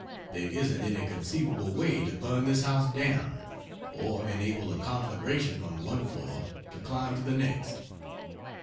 There isn't any conceivable way to burn this house down, or enable a conflagration on one floor to climb to the next.